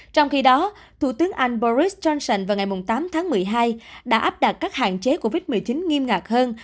trong khi đó thủ tướng anh boris johnson vào ngày tám tháng một mươi hai đã áp đặt các hạn chế covid một mươi chín nghiêm ngặt hơn